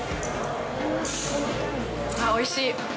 おいしい。